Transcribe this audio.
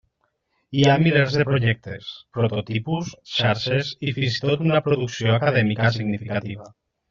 Hi ha milers de projectes, prototipus, xarxes i fins i tot una producció acadèmica significativa.